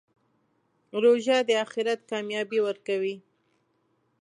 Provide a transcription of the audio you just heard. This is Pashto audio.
روژه د آخرت کامیابي ورکوي.